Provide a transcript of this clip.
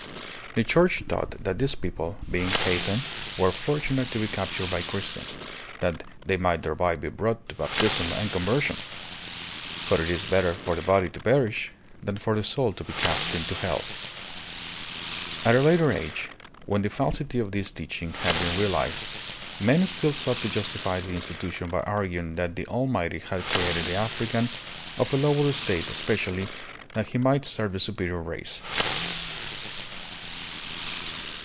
The Church taught that these people, being heathen, were fortunate to be captured by Christians, that they might thereby be brought to baptism and conversion; for it is better for the body to perish than for the soul to be cast into hell. At a later age, when the falsity of this teach ing had been realized, men still sought to justify the institution by arguing that the Almighty had created the African of a lower state especially that he might serve the superior race.